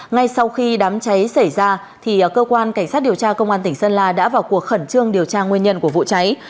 ngay sau khi đám cháy xảy ra cơ quan cảnh sát điều tra công an tỉnh sơn la đã vào cuộc khẩn trương điều tra nguyên nhân của vụ cháy